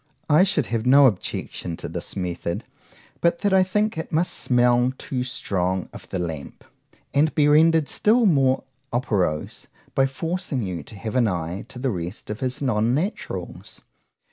I should have no objection to this method, but that I think it must smell too strong of the lamp,—and be render'd still more operose, by forcing you to have an eye to the rest of his _Non naturals.